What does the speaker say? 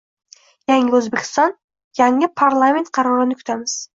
Yangi O'zbekiston - Yangi Parlament qarorini kutamiz